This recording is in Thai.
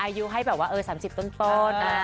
อายุให้แบบว่า๓๐ต้นสวยนะคะ